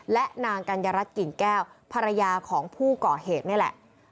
และนางกัญญารัฐกิ่งแก้วภรรยาของผู้ก่อเหตุนี่แหละ